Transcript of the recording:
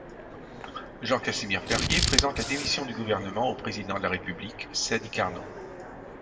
Jean Casimir-Perier présente la démission du Gouvernement au président de la République, Sadi Carnot.